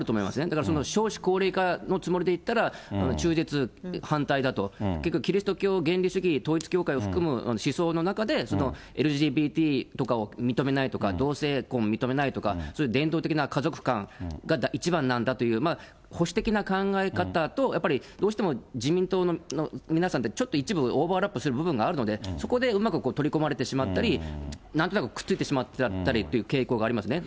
だからその少子高齢化のつもりで行ったら、中絶反対だと、結局キリスト教原理主義統一教会含む思想の中で、ＬＧＢＴとかを認めないとか、同性婚認めないとか、そういう伝統的な家族観が一番なんだという、保守的な考え方と、やっぱりどうしても自民党の皆さんって、ちょっと一部オーバーラップする部分があるので、そこでうまく取り込まれてしまったり、なんとなく、くっついてしまったりっていう傾向がありますね。